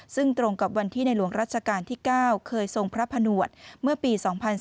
ซึ่งตรงกับวันที่ในหลวงรัชกาลที่๙เคยทรงพระผนวดเมื่อปี๒๔